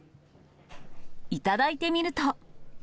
頂いてみると。